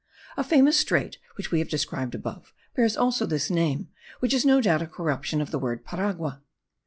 A famous strait, which we have described above, bears also this name, which is no doubt a corruption of the word Paragua.